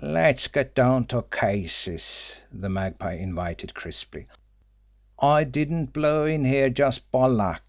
"Let's get down to cases!" the Magpie invited crisply. "I didn't blow in here just by luck.